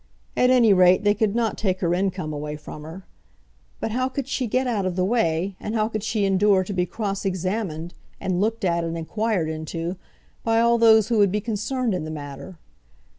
At any rate, they could not take her income away from her. But how could she get out of the way, and how could she endure to be cross examined, and looked at, and inquired into, by all those who would be concerned in the matter?